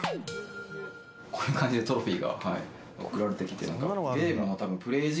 こういう感じでトロフィーが送られてきて。